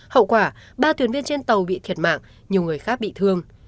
hậu quả ba thuyền viên trên tàu bị thiệt mạng nhiều người khác bị thương